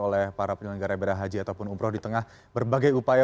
oleh para penyelenggara ibadah haji ataupun umroh di tengah berbagai upaya